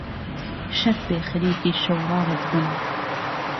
شەرت بێ خهریکی شهو ڕاوتبم